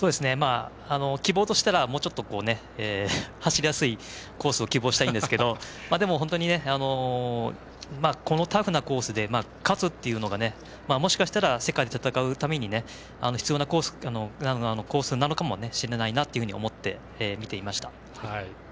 希望としたらもうちょっと走りやすいコースを希望したいんですけど本当に、このタフなコースで勝つっていうのが、もしかしたら世界で戦うために必要なコースなのかもしれないなと思って見ていました。